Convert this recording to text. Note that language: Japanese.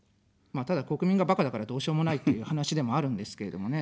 ただ、国民が、ばかだからどうしようもないという話でもあるんですけれどもね。